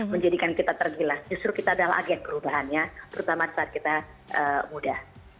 menjadikan kita tergilah justru kita adalah agen perubahannya terutama saat kita muda